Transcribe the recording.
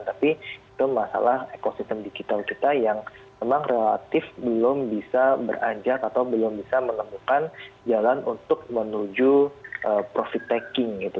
tapi itu masalah ekosistem digital kita yang memang relatif belum bisa beranjak atau belum bisa menemukan jalan untuk menuju profit taking gitu